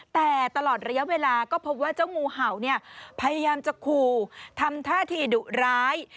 แต่ตลอดระยะเวลาก็พบว่าเจ้างูเห่าเนี่ยพยายามจะขู่ทำท่าที่ดุร้าย